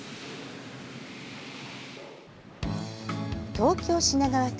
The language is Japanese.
東京・品川区。